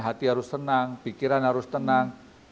hati harus tenang pikiran harus tenang